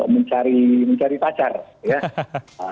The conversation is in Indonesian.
mencari pacar ya